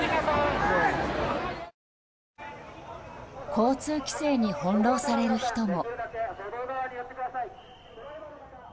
交通規制に翻弄される人も。